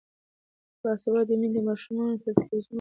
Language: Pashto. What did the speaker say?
باسواده میندې د ماشومانو د تلویزیون وخت څاري.